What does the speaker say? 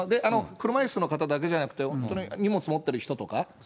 車いすの方だけじゃなくて、荷物持ってる人とか。